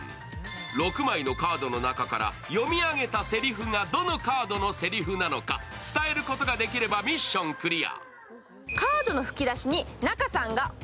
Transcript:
６枚のカードの中から読み上げたせりふがどのカードのせりふなのか伝えることができればミッションクリア。